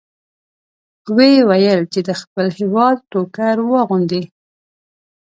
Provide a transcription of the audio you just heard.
ویې ویل چې د خپل هېواد ټوکر واغوندئ.